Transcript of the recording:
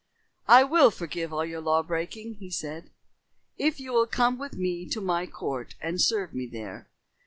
"I will forgive all your law breaking," he said, "if you will come with me to my court and serve me there.